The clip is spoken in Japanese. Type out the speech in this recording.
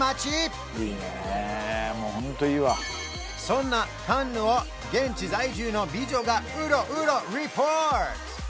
そんなカンヌを現地在住の美女がウロウロリポート！